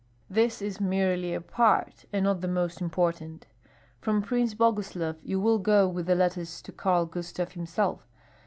"This is merely a part, and not the most important. From Prince Boguslav you will go with my letters to Karl Gustav himself.